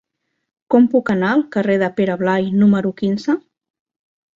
Com puc anar al carrer de Pere Blai número quinze?